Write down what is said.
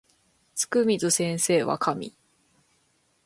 つくみず先生は神